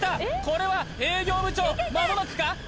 これは営業部長まもなくか？